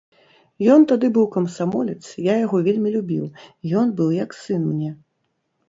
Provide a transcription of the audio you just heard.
Ён тады быў камсамолец, я яго вельмі любіў, ён быў як сын мне.